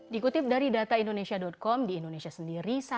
dikutip dari data indonesia com di indonesia sendiri